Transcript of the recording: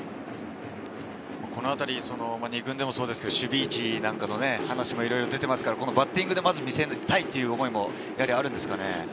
このあたり、２軍でもそうですけど、守備位置なんかの話も出ましたけど、まずバッティングで見せたいという思いもあるんですかね？